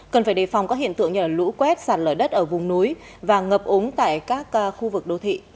cần phải đề phòng các hiện tượng như lũ quét sạt lở đất ở vùng núi và ngập ống tại các khu vực đô thị